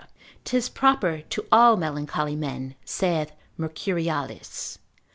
'Tis proper to all melancholy men, saith Mercurialis, con.